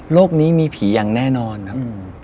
นี้มีผีอย่างแน่นอนครับ